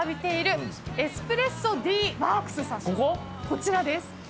こちらです。